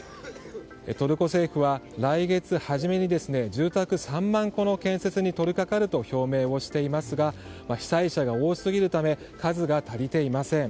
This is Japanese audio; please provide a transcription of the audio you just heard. トルコ政府は来月初めに住宅３万戸の建設に取り掛かると表明をしていますが被災者が多すぎるため数が足りていません。